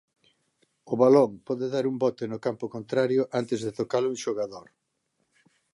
O balón pode dar un bote no campo contrario antes de tocalo un xogador.